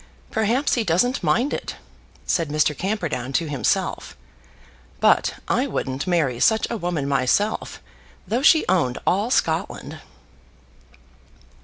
"Perhaps he doesn't mind it," said Mr. Camperdown to himself, "but I wouldn't marry such a woman myself, though she owned all Scotland."